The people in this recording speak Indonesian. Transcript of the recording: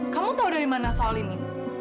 kamu tahu dari mana soal ini